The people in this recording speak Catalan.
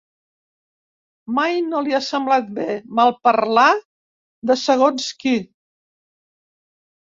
Mai no li ha semblat bé, malparlar de segons qui.